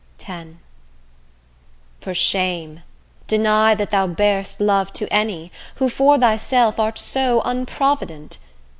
X For shame! deny that thou bear'st love to any, Who for thyself art so unprovident.